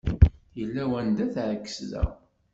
Yella wanda teεkes da!